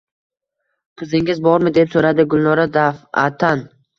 — Qizingiz bormi? — deb soʼradi Gulnora dafʼatan.